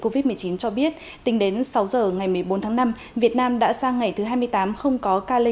covid một mươi chín cho biết tính đến sáu giờ ngày một mươi bốn tháng năm việt nam đã sang ngày thứ hai mươi tám không có ca lây